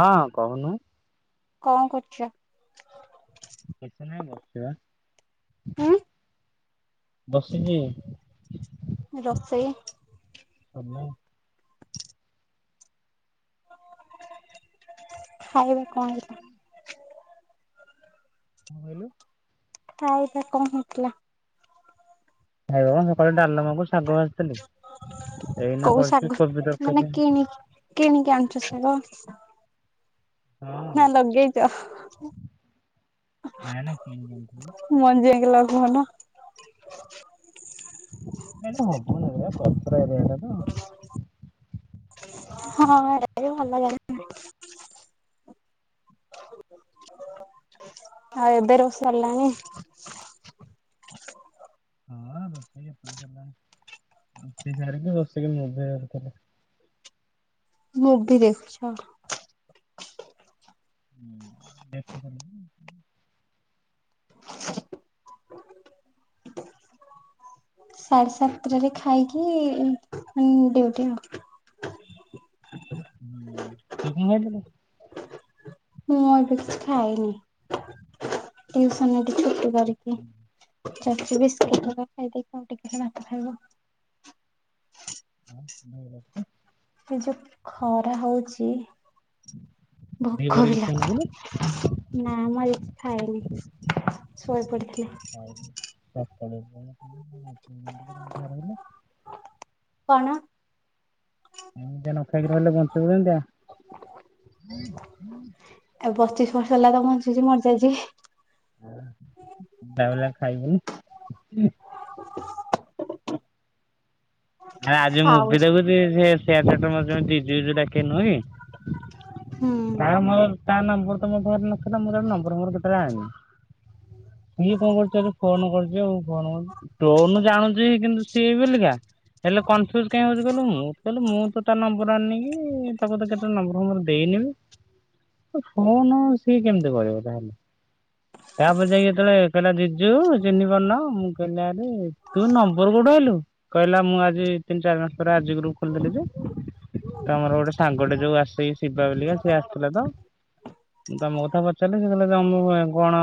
ହଁ କହୁନୁ କଣ କରୁଛ? ସେ [inaudible] ହୁଁ ବସିଛି। ରୋଷେଇ ଖାଇବା କଣ? ହ ବଲୁ [inaudible] ହଁ ଏଇଟା କଣ ହେଇଥିଲା? ଏଡାିଲ [unintelligible] ମୁଁ ଶାଗ ଭାଯିଥିଲି ଏଇନା କୋଉ କରିଛି ଶାଗ କୋବି ତରକାରି ଆ ସେ [inaudible] ହଁ ନା ଲଗେଇଛ ନାଇଁ ନାଇଁ [unintelligible] କିଣିକି ଆଣିଥିଲି ମଞଜିାଇକି ଲ କହୁନ ଏଲେ ହବନ ପପ ପେରା ତ ହଁ ଏ ଭଲ ଲ ଆଉ ଏବେ ରଷ ସାରିଲଣିି ହଁ ରୋଷେଇ ସରିସରିଲାନି ରୋସେଇ ସରିକି ବସିକି ମୁଭି ଦେଖୁଥିଲି। ମୁଭି ଦେଖୁଛ। ହୁଁ ଦେଖ ସାଢେ ସାତଟାରେ ଖାଇକି ଡିଉଟି ଆଉ। ହୁଁ ତୁ କଣ? ମୁଁ ଏବେ କିଛି ଖାଇନି ଟିୟୁସନ୍ କି କରିକି ଚାସ୍ ଖାଇଦେଇ କି ଆଉ ଟିକେ ଖାଇବ ହଁ ଏ ଯୋଉ ଖରା ହଉଛି। ଭୋକ ଦିପହରେ ବି କିଛି ଖାଇନଥିଲୁ? ଲାଗୁନି ନାମ ଖାଇନି ଶୋଇ ପଡିଥିଲି। କଲେ [unintelligible] କଣ? ଏମିତିଆ ନ ଖାଇକି ରହିଲେ ବଞ୍ଚିବୁ କେମିତିଆ? ଏ ପଚିଶ ବର୍ଷ ହେଲା ତ ବଞ୍ଚୁଛି ମରିଯାଇଛି। ହଁ ବାବୁଲା ଖାଇଛି? ହଁ। [inaudible] ଆରେ ଆଜି ମୁଁ ମୁଭି ଖାଉଛି। ଦେଖୁଛି ସେ ସେ [unintelligible] ଜିଜୁ ଜିଜୁ ଡାକେ ନୁହଁ କି ହୁଁ ତାର ମୋର ତା ନ ତମ ଭର ନ ସେ ମୋର ନମ୍ବର ମୋର କେତେଟା ଆଣନି। ସେ କଣ କରୁଛି ଫୋନ କରୁଛି ଆଉ ଫୋନ ଟୋନ ଜାଣୁଚି କିନ୍ତୁ ସିଏ ବୋଲିକ।। ହେଲେ କନଫ୍ୟୁଜ କାଇଁ ହଉଛି କହିଲୁ, ମୁଁ କହିଲି ମୁଁ ତ ତା ନମ୍ବର ଆଣିନି କି ତାକୁ ବୋଧେ କେତେବେଳେ ନମ୍ବର ଫମ୍ୱର ଦେଇନି ଫୋନ ସିଏ କେମିତି କରିବ ତାହେଲେ ତାପରେ ଯାଇକି ଯେତେବେଳେ କହିଲା ଜିଜୁ ଚିହ୍ନି ପାରୁନ ମୁଁ କହିଲିରେ ତୁ ନମ୍ବର କୋଉଠୁ ଆଣିଲୁ, କହିଲା ମୁଁ ଆ ତିନି ଚାରି ମାସ ପରେ ଆଜି ଗ୍ରୁପ ଖୋଲିଥିଲି ଯେ ତ ଆମର ଗୋଟେ ସାଙ୍ଗଟେ ଯୋଉ ଆସିଶ୍ ଶିବା ବଲିକା ସିଏ ଆସିଥିଲେ ତ ମୁଁ ତମ କଥା ପଚାରିଲି ସେ କହିଲ ତମ କଣ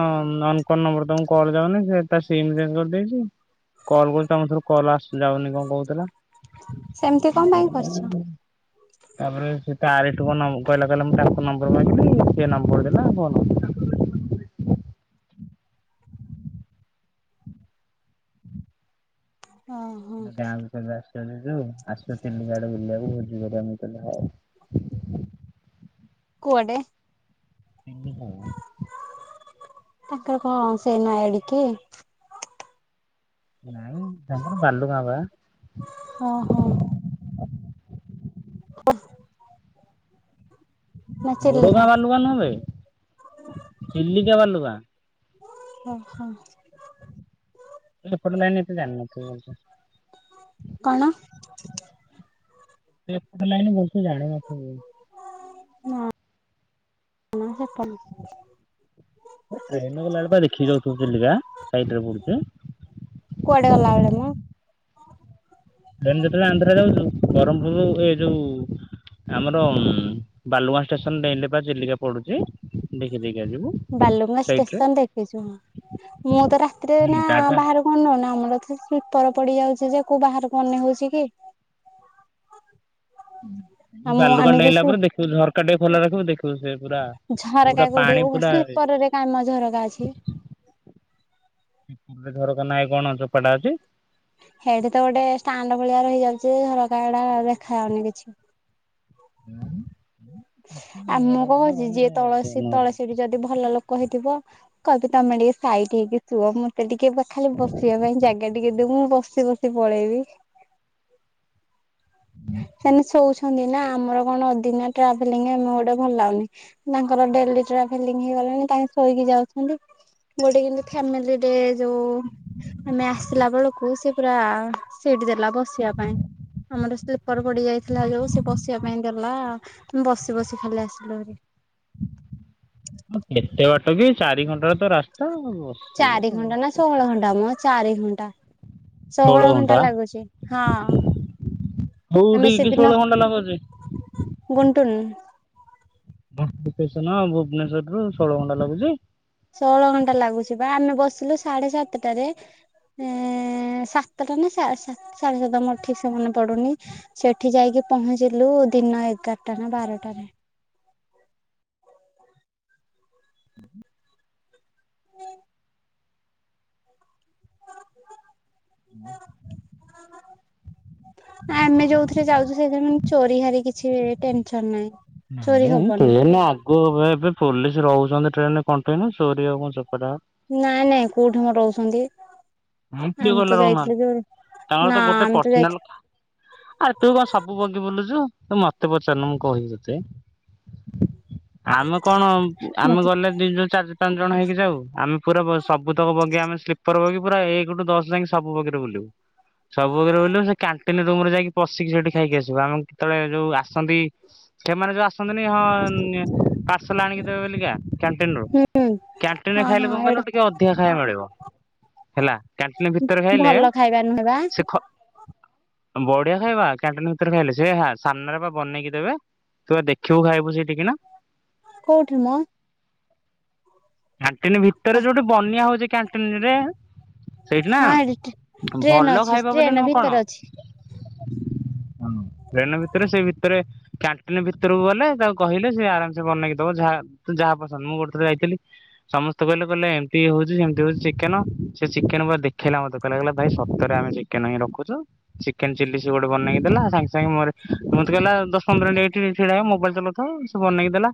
ଅକଣ ନମ୍ବର ତମକୁ କଲ ଯାଉନି ସେ ତା ସିମ ଚେଞ୍ଜ କରିଦେଇଛି କଲ୍ କରଛି ତମ ରୁ କଲ ଆସୁ ଯାଉନି କଣ କହୁଥିଲା। ସେମିତି କଣ ପାଇଁ କରୁଛ? ତାପରେ ସେ ତାରିଠୁ କଣ୍ ନମ୍ କହିଲା କହିଲା ମୁଁ ତାଙ୍କ ନମ୍ବର ମାଗିଲି ସେ ନମ୍ବର ଦେଲା ଫୋନ୍ ଓହୋ। ଏଟା ଆଉ ଗୋଟେ ଦାସ ଜିଯୁ ଆସ ଚିଲିକା ଆଡେ ବୁଲିବାକୁ ଭୋଜି କରିବା ମୁଁ କହିଲି ହଉ। କୁଆଡେ? ଚିଲିକା ତାଙ୍କର କଣ ସେଇ ନୁଆଁ ଏଡିକି? ନାହିଁ ତାଙ୍କର ବାଲୁଗାଁ ବା। ହଁ ହଁ। [unintelligible] ନା ବଡଗାଁ ଚିଲିକା? ବାଲୁଗାଁ ନୁହେଁ ବେ ଚିଲିକା ବାଲୁଗାଁ। [unintelligible] ଓ ହୋ। ଏପଟ ଲାଇନରେ ଏତେ ଜାଣି ନଥିବୁ ବୋଧେ କଣ? ଏପଟ ଲାଇନ ଭଲ ସେ ଜାଣି ନଥିବୁ। ନା ସେ ଟ୍ରେନ ଗଲା ବେଳେ ଦେଖିକି ଯାଉଥିବୁ ଚିଲିକା ସାଇଟରେ ପଡୁଛି। କୁଆଡେ ଗଲାବେଳେ ମ ଟ୍ରେନ ଯେତେବେଳେ ଆନ୍ଧ୍ରା ଯାଉଛୁ ବ୍ରହ୍ମପୁର ଏ ଯୋଉ ଆମର ବାଲୁଗାଁ ଷ୍ଟେସନ ଡେଇଁଲେ ପା ଚିଲିକା ପଡୁଛି। ଦେଖି ଦେଖି ବାଲୁଙ୍ଗା ଷ୍ଟେସନ ଦେଖିଛୁ ମୁଁ ତ ରାତିରେ ନା ତାପରେ ବାହାର କୁ ଉଠୁନ୍ନନ ଆମର ତପର ପଡି ଯାଉଛି। ସେ ଯେ କୋଉ ବାହାରକୁ ଅନେଇ ହଉଛି କି। ଆମ ବାଲୁଗାଁ ଆମେ ଡେଇଁଲା ଯୋଉ ପରେ ଦେଖିବୁ ଝରକା ଟେ। ଖୋଲା ରଖିବୁ ଦେଖିବୁ ସେ ପୁରା ଝରକା ପୁରା କୋଉଠି ପାଣି ଉ ପୁରା ସ୍ଲିପରରେ କାମ ଝରକା ଅଛି। ତ ନାଇଁ କଣ ଚୋପଟା ଅଛି। ସେଠି ତ ଗୋଟେ ଷ୍ଟାଣ୍ଡ ଭଳିଆ ରହିଯାଉଛି ସରକାଡା ଦେଖାାଯାଉନି କିଛି। [inaudible] ଆମକୁ କହୁଛି ଯିଏ ତଳସୀ ତଳସୀଟି ଯଦି ଭଲ ଲୋକ। କହିଥିବ କହିବି ତମେ ଟିକେ ସାଇଟ୍ ହେଇକି ଶୁଅ ମୁଁତେ ଟିକେ ଖାଲି ବସିବା ପାଇଁ ଜାଗା ଟିକେ ଦବୁ ମୁଁ ବସ ଗପି ଗପି ପଳେଇବି। ସେନ ଶୋଉଛ। ନା ଆମର କଣ ଅଦିନା ଟ୍ରାଭେଲିଗଂ ଆମେ ଗୋଟେ ଭଲ ଲାଗନି ତାଙ୍କର ଡେଲି ଟ୍ରାଭେଲିଗଂ ହେଇଗଲାଣି ତାଙ୍କ ଶୋଇକି ଯାଉଛନ୍ତି ଯୋଉଠି ଫେମିଲିରେ ଯୋଉ ଆମେ ଆସିଲା ବେଳକୁ। ସେ ପୁରା ସିଟ ଦେଲା ବସିବା ପାଇଁ ଆମ ସ୍ଲିପର ପଡି ଯାଇଥିଲା ଯୋଉ ସେ ବସିବା ପାଇଁ ଦେଲା। ବସି ବସି ଖାଲି ଆସିଲୁ। ହଁ କେତେ ବାଟ କି ଚାରି ଘଣ୍ଟା ର ତ ରାସ୍ତା। ବସିବ ଚାରି ଘଣ୍ଟା ନା ଷୋହଳ ଘଣ୍ଟା ମ ଚାରି ଘଣ୍ଟା ଷୋହଳ ଘଣ୍ଟା ଲାଗୁଛି। ହଁ ଆମେ କୋଉଠିକି ସେଦିନ ଷୋହଳ ଘଣ୍ଟା ଲାଗୁଛି ଗୁଣ୍ଟୁନୁ। ସନ ଭୁବନେଶ୍ୱରରୁ ଷୋଳ ଘଣ୍ଟା ଲାଗୁଛି। ଷୋହଳ ଘଣ୍ଟା ଲାଗୁଛି ବା ଆମେ ବସିଲୁ ସାଢେ ସାତଟାରେ ଏ ସାତଟା ନା ସାଢେ ସାତ ମୋର ଠିକ ସେ ମନେ ପଡୁନି। ସେଠି ଯାଇକି ପହଞ୍ଚିଲୁ ଦିନ ଏଗାରଟା ନା ବାରଟାରେ। [inaudible] [inaudible] ଆମେ ଯୋଉଥିରେ ଯାଉଛୁ ସେଥିରେ ମାନେ ଚୋରି ହାରି କିଛି ଟେନସନ ନାହିଁ। ଚୋରି ହବନି ଟ୍ରେନ ଆଗ ଏବେ ପୋଲିସ ରହୁଛି। ଟ୍ରେନରେ କଣ୍ଟିନୁ ଚୋରିୀ ହେବ ଚୋପାଟା। ନାଇଁ ନାଇଁ କୋଉଠି ମ ରହୁଛନ୍ତି। ମୁଁ କିଏ ଆମେ ତ କହିଲା ଯାଇଥିଲୁ ରହୁନାହାନ୍ତି ଯୋଉ ତାଙ୍କର ନା ତ ଗୋଟେ ଆମେ ପର୍ସନାଲ ଯାଇଥିଲୁ ଆରେ ତୁ କଣ ସବୁ ବଗି ବୁଲୁଛୁ। ତ ମତେ ପଚାରୁନୁ ମୁଁ କହିବି ତତେ। ଆମେ କଣ ଆମେ ମତେ ଗଲେ ଦି ଯୋଉ ଚାରି ଚାରି ପାଞ୍ଚ ଜଣ ହେଇକି ଯାଉ। ଆମେ ପୁରା ସବୁତକ ବଗି ଆମେ ସ୍ଲିପର ବଗି ପୁରା ଏକଠୁ ଦଶ ଯାଇକି ସବୁ ବଗିରେ ବୁଲିବୁ ସବୁ ବଗିରେ ବୁଲିବୁ ସେ କାଣ୍ଟିନ ରୁମ ରେ ଯାଇକି ପଶିକି ସେଠି ଖାଇକି ଆସିବ ଆମେ କେତେବେଳେ ଯୋଉ ଆସନ୍ତି। ସେମାନେ ଯୋଉ ଆସନ୍ତିନି ହଁ ଆଣି ଦେବେ ବଲିକା କ୍ୟାନ୍ଟିନ ରୁ ହୁଁ କ୍ୟାଣ୍ଟିନରେ ହଁ ହଁ ଖାଇଲେ କ କ ଏଇଟା ଟିକେ ଅଧିକା ଖାଇବା ମିଳିବ। ହେଲା କ୍ୟାଣ୍ଟିନ୍ ଭିତର ଖାଇଲେ ଭଲ ଖାଇବା ନୁହେଁ ବା ସେ ଖ ବଢିଆ ଖାଇବା କ୍ୟାଣ୍ଟିନ୍ ଭିତରେ ଖାଇଲେ ସେ ସାମ୍ନାରେ ବା ବନେଇକି ଦେବେ ତୁ ଦେଖିବୁ ଖାଇବୁ ସେଇଠିକି ନା କୋଉଠି ମ କ୍ୟାଣ୍ଟିନ ଭିତରେ ଯୋଉଠି ବନେଇଆ ହଉଛି କ୍ୟାଣ୍ଟିନ ରେ ସେଇଠି ନା ହଁ ଏଠି ଭଲ ଟ୍ରେନ ଅଛି ଖାଇବା ବୋଲି ଟ୍ରେନ ନୁହଁ କଣ? ଭିତରେ ଅଛି ହଁ ଟ୍ରେନ ଭିତରେ ସେ ଭିତରେ କ୍ୟାଣ୍ଟିନ ଭିତରକୁ ଗଲେ ତାକୁ କହିଲେ ସେ ଆରାମ ସେ ବନେଇକି ଦବ ଯାହା ତୁ ଯାହା ପସନ୍ଦ ମୁଁ ଗୋଟେ ଥରେ ଯାଇଥିଲି। ସମସ୍ତେ କହିଲେ କହିଲେ ଏମିତି ହଉଛି ସେମିତି ହଉଛି ଚିକେନ ସେ ଚିକେନ ପ ଦେଖେଇଲା ମତେ କହିଲା କହିଲ ଭାଇ ସତରେ ଆମେ ଚିକେନ ହିଁ ରଖୁଛୁ ଚିକେନ ଚିଲ୍ଲି ସେ ଗୋଟେ ବନେଇକି ଦେଲା ସାଙ୍ଗେ ସାଙ୍ଗେ ମୋ ମତେ କହିଲା ଦଶ ପନ୍ଦର ମିନିଟ୍ ଏଇଠି ଟିକେ ଛିଡାହେଇ ମୋବାଇଲ ଚଲଉଥାଅ ସେ ବନେଇକି ଦେଲା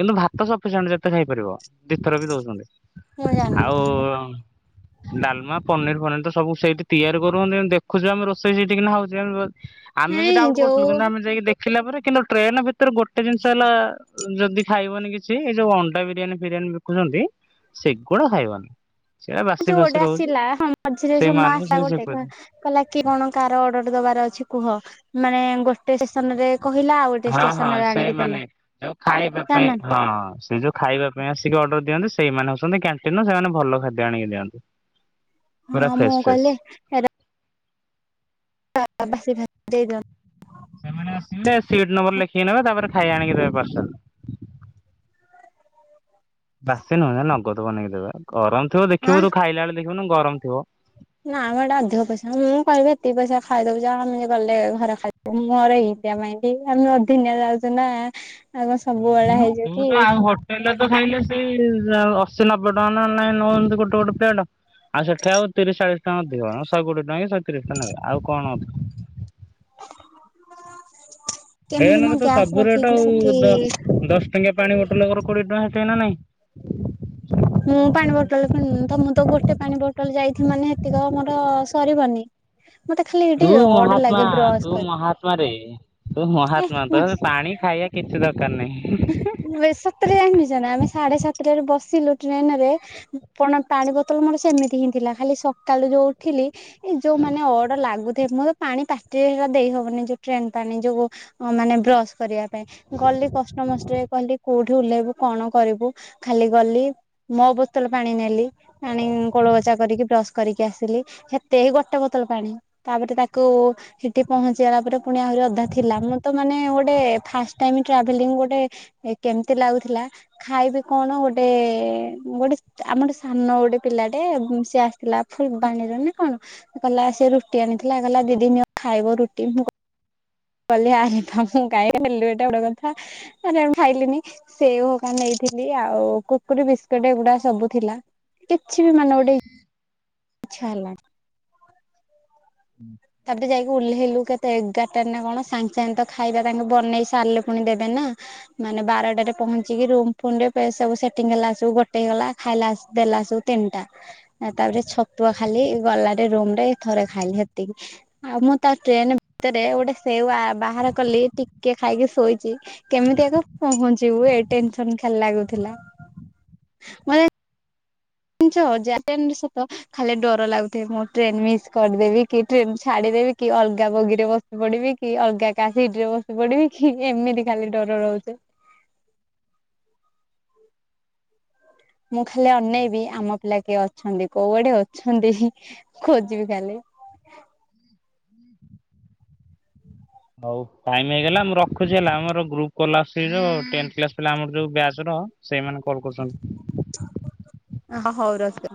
କିନ୍ତୁ ଭାତ ସଫିସେଣ୍ଟ ଯେତେ ଖାଇପାରିବ। ଦିଥର ବି ଦଉଛନ୍ତି। ମୁଁ ଜାଣିନି ଆଉ ଡାଲମା ପନିର ଫନିର ତ ସବୁ ସେଇଠି ତିଆରି କରୁହନ୍ତି ଦେଖୁଛୁ ଆମେ ରୋଷେଇ ସେଇଠି କିିନା ହଉଛି ଆମେ ବି ନାଇଁ ଡାଉଟ କରୁଥିଲୁ ଯୋଉ କିନ୍ତୁ ଆମେ ଯାଇକି ଦେଖି ଥିଲା ପରେ କିନ୍ତୁ ଟ୍ରେନ ଭିତରେ ଭିତରେ ଗୋଟେ ଜିନିଷ ହେଲା ଯଦି ଖାଇବନି କିଛି ଏଇ ଯୋଉ ଅଣ୍ଡା ବିରିୟାନୀ ବିରିୟାନୀ ବିକୁଛନ୍ତି ସେଗୁଡ଼ା ଖାଇବନି। ସେଇଟା ବାସି ଫାସି ଯୋଉଟା ରହୁଛି ଆସିଲା ମଝିରେ ସ ନ ସେଇମାନଙ୍କୁ ଆସା ସେଇ ଗୋଟେ ସେପାରି କହିଲା କି କଣ କାହାର ଅର୍ଡର ଦବାର ଅଛି କୁହ। ମାନେ ଗୋଟେ ଷ୍ଟେସନ ରେ କହିଲା ଆଉ ଗୋଟେ ହଁ ହଁ ଷ୍ଟେସନ ରେ ଆଣିକି ସେଇମାନେ ଦେଲା ଯୋଉ ଖାଇବା ତା ପାଇଁ ମାନେ ହଁ ସେ ଯୋଉ ଖାଇବା ପାଇଁ ଆସିକି ଅର୍ଡର ଦିଅନ୍ତି ସେଇମାନେ ହଉଛନ୍ତି କ୍ୟାଣ୍ଟିନର ସେମାନେ ଭଲ ଖାଦ୍ୟ ଆଣିକି ଦିଅନ୍ତି। ପୁରା ହଁ ମୁଁ ଫ୍ରେଶ ଫ୍ରେଶ କହିଲି ତାର [unintelligible] ସେମାନେ ଆସିକି ସିଟ ନମ୍ବର ଲେଖିକି ନେବେ ତାପରେ ଖାଇ ଆଣିକି ଦେବେ ପାର୍ସଲ। ବାସୀ ନୁହେଁ ବା ନଗଦ ନେଇକି ଦେବେ ଗରମ ଥିବ ଆଁ ଦେଖିବୁ ତୁ ଖାଇଲା ବେଳେ ଦେଖିବୁନୁ ଗରମ ଥିବ ନା ଆମର ଏଇଟା ଅଧିକ ପଇସା ମୁଁ କହିବି ଏତିକି ପଇସା ଖାଇଦଉଛ ଆମେ ଗଲେ ଘରେ ଖାଇବା ମୋର ଏନ୍ତିଆ ମାଇଣ୍ଡ ମାନେ ଆମେ ଦିନେ ଯାଉଛୁ ନା କଣ ସବୁବେଳେ ହୁଁ ହେଇଯିବ ତୁ କି ତ ଆଉ ହୋଟେଲରେ ତ ଖାଇଲେ ସେଇ ଯାହା ଅଶି ନବେ ଟଙ୍କା ନ ନାଇଁ ନଉଛନ୍ତି ଗୋଟେ ଗୋଟେ ପ୍ଲେଟ ଆଉ ସେଠି ଆଉ ତିରିଶ ଚାଳିଶ ଟଙ୍କା ଅଧିକ ଶହେ କୋଡ଼ିଏ ଟଙ୍କା କି ଶହେ ତିରିଶ ଟଙ୍କା ନେବେ ଆଉ କଣ ଅଧିକ କେମିତି ମୋ ଟ୍ରେନରେ ତ ଗ୍ୟାସ୍ ସବୁ ରେଟ ରଖିକି ଆଉ ସେଠି ଦଶ ଟଙ୍କିଆ ପାଣି ବୋଟଲ କର କୋଡ଼ିଏ ଟଙ୍କା ଆସିବ ନା ନାଇଁ ମୁଁ ପାଣି ବୋଟଲ କିଣୁନି ତ ମୁଁ ତ ଗୋଟେ ପାଣି ବୋଟଲ ଯାଇଛି ମାନେ ସେତିକ ମୋର ସରିବନି ମତେ ଖାଲି ଏଠି ତୁ ଅଡ ମହାତ୍ମା ଲାଗେ ବ୍ରସ୍ ତୁ କରି ମହାତ୍ମାରେ ତୁ ମହାତ୍ମା ତମେ ପାଣି ଖାଇବା କିଛି ଦରକାର କାର ନାହିଁ। ଭାଇ ସତରେ ଜାଣିଚ ନା ଆମେ ସାଢେ ସାତଟାରେ ବସିଲୁ ଟ୍ରେନରେ ପଣ ପାଣି ବୋତଲ ମୋର ସେମିତି ହିଁ ଥିଲା ଖାଲି ସକାଳୁ ଯୋଉ ଉଠିଲି ଏ ଯୋଉ ମାନେ ଅଡ ଲାଗୁଥାଏ ମୁଁ ତ ପାଣି ପାଟିରେ ହେଇରା ଦେଇ ହବନି ଯୋଉ ଟ୍ରେନ ପାଣି ଯୋଉ ମାନେ ବ୍ରଶ୍ କରିବା ପାଇଁ ଗଲି କଷ୍ଟ ସମସ୍ତେ କହିଲି କୋଉଠି ଓହ୍ଲେଇବୁ କଣ କରିବୁ ଖାଲି ଗଲି ମୋ ବୋତଲ ପାଣି ନେଲି ଆଣିକି କୁଳୁ କୁଛା କରିକି ବ୍ରସ୍ କରିକି ଆସିଲି ସେତେ ହି ଗୋଟେ ବୋତଲ ପାଣି ତାପରେ ତାକୁ ସେଠି ପହଞ୍ଚିଗଲା ପରେ ପୁଣି ଆହୁରି ଅଧା ଥିଲା ମୁଁ ତ ମାନେ ଗୋଟେ ଫାଷ୍ଟ୍ ଟାଇମ୍ ଟ୍ରାଭେଲିଙ୍ଗ ଗୋଟେ ଗୋଟେ କେମିତି ଲାଗୁଥିଲା ଖାଇବି କଣ ଗୋଟେ ଗୋଟେ ଆମର ଗୋଟେ ସାନ ଗୋଟେ ପିଲାଟେ ସିଏ ଆସିଥିଲା ଫୁଲବାଣୀର ନା କଣ କହିଲା ସେ ରୁଟି ଆଣିଥିଲା କହିଲା ଦିଦି ନିଅ ଖାଇବ ରୁଟି ମୁଁ କ [unintelligible] ଆ ମୁଁ କାଇହିଁକି ନେଲ ଏଇଟା ଗୋଟେ କଥା ଆରେ ଖାଇଲିନି ସେଓ ହରିକା ନେଇଥିଲି ଆଉ କୁକୁରୀ ବିସ୍କୁଟ ଏଗୁଡା ସବୁ ଥିଲା କିଛି ବି ମାନେ ଗୋଟେ। ଆଛା ହେଲା। ତାପରେ ଯାଇକି ଓହ୍ଲେଇଲୁ କେତେ ଏଗାରଟାରେ ନା କଣ ସାଙ୍ଗେ ସାଙ୍ଗେ ତ ଖାଇବା ତାଙ୍କୁ ବନେଇ ସାରିଲେ ପୁଣି ଦେବେ ନା ମାନେ ବାରଟାରେ ପହଞ୍ଚିକି ରୁମ ଫୁମ ରେ ସବୁ ସେଟିଙ୍ଗ ହେଲା ସବୁ ଗୋଟେ ହେଇଗଲା ଖାଇଲା ଦେଲା ସବୁ ତିନିଟା ତାପରେ ଛତୁଆ ଖାଇକି ଗଲାରେ ରୁମ ରେ ଥରେ ଖାଇଲି। ଆଉ ମୁଁ ତା ଟ୍ରେନ ଭିତରେ ଗୋଟେ ସେଉ ବାହାର କଲି ଟିକେ ଖାଇକି ଶୋଇଛି କେମିତି ଆଗ ପହଞ୍ଚିବୁ ଏ ଟେନସନ ଖାଲି ଲାଗୁଥିଲା, ମାନେ ଜାଣିଚ ଯାହା କହିବି ସତ ଖାଲି ଡର ଲାଗୁଥାଏ ମୁଁ ଟ୍ରେନ ମିସ୍ କରିଦେବି କି, ଟ୍ରେନ ଛାଡିଦେବି କି, ଅଲଗା ବଗିରେ ବସି ପଡିବି କି, ଅଲଗା କା ସିଟ ରେ ବସି ପଡିବି କି, ଏମିତି ଖାଲି ଡର ରହୁଛେ। ମୁଁ ଖାଲି ଅନେଇବି ଆମ ପିଲା କିଏ ଅଛନ୍ତି? କୋଉଆଡେ ଅଛନ୍ତି ଖୋଜିବି ଖାଲି [inaudible] ହଉ ଟାଇମ୍ ହେଇଗଲା ମୁଁ ରଖୁଛି ହେଲା ଆମର ଗ୍ରପୁ କଲ୍ ଆସୁଛି ଯୋଉ ଟେନ୍ଥ କ୍ଲାସ ପିଲା ଆମର ଯୋଉ ବ୍ୟଚ୍ ର ସେଇମାନେଲ କରୁଛନ୍ତି। ହ ହଉ ରସ